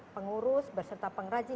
pengurus berserta pengrajin